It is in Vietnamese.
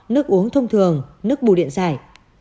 nước uống thông thường nước bù điện dài